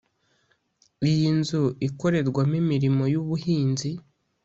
iyinzu ikorerwamo imirimo y ‘ubuhinzi